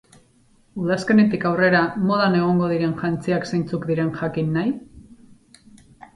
Udazkenetik aurrera modan egongo diren jantziak zeintzuk diren jakin nahi?